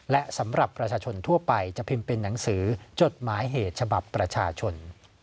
และสำหรับประชาชนทั่วไปจะพิมพ์เป็นหนังสือจดหมายเหตุฉบับประชาชน